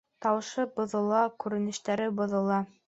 Тауышы боҙола. Күренештәре боҙола